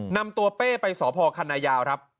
นำตัวเป้ไปสพคันนายาวครับ